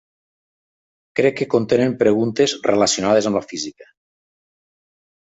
Crec que contenen preguntes relaciones amb la física.